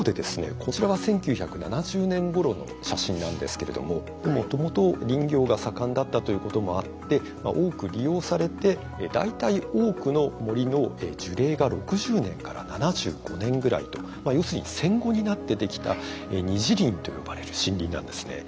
こちらは１９７０年ごろの写真なんですけれどももともと林業が盛んだったということもあって多く利用されて大体多くの森の樹齢が６０年から７５年ぐらいと要するに戦後になってできた二次林と呼ばれる森林なんですね。